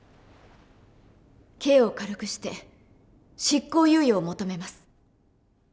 刑を軽くして執行猶予を求めます。